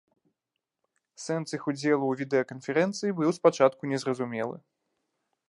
Сэнс іх удзелу ў відэаканферэнцыі быў спачатку незразумелы.